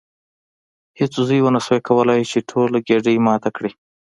هیڅ زوی ونشو کولی چې ټوله ګېډۍ ماته کړي.